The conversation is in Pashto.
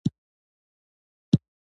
کچالو د بدن د داخلي سیسټم تنظیموي.